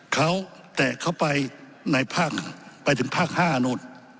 เขาแตะเขาไปในภาคไปถึงภาค๕นู่น